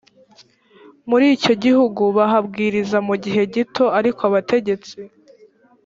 muri icyo gihugu bahabwiriza mu gihe gito ariko abategetsi